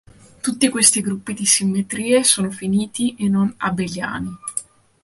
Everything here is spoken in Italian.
Tutti questi gruppi di simmetrie sono finiti e non abeliani.